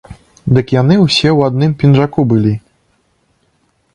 Дык яны ўсе ў адным пінжаку былі!